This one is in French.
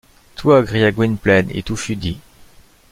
Toi! cria Gwynplaine, et tout fut dit.